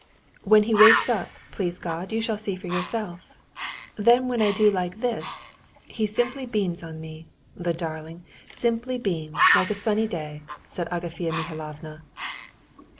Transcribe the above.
"When he wakes up, please God, you shall see for yourself. Then when I do like this, he simply beams on me, the darling! Simply beams like a sunny day!" said Agafea Mihalovna.